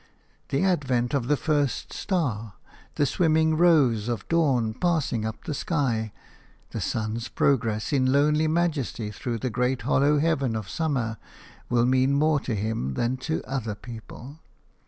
The advent of the first star, the swimming rose of dawn passing up the sky, the sun's progress in lonely majesty through the great hollow heaven of summer, will mean more to him than to other people.